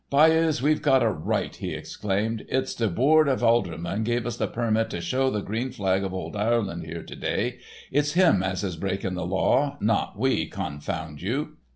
"B'yes, we've got a right," he exclaimed. "It's the boord av alderman gave us the permit to show the green flag of ould Ireland here to day. It's him as is breaking the law, not we, confound you."